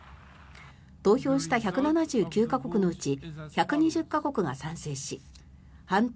投票した１７９か国のうち１２０か国が賛成し反対